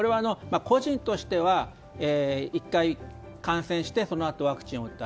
個人としては１回感染してそのあと、ワクチンを打った。